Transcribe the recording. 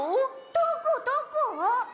どこどこ？